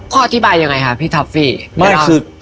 ข้ออธิบายยังไงค่ะพี่ทัฟฟี่